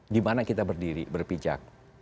di mana kita berdiri berpijak